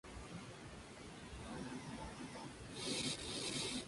Es hija de la supermodelo Cindy Crawford y Rande Gerber.